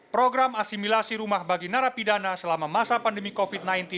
program asimilasi rumah bagi narapidana selama masa pandemi covid sembilan belas